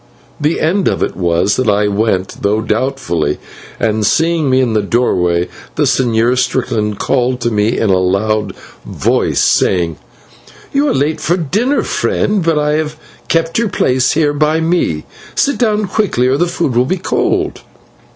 The end of it was that I went, though doubtfully, and, seeing me in the doorway the Señor Strickland called to me in a loud voice, saying: "You are late for dinner, friend, but I have kept your place here by me. Sit down quickly or the food will be cold."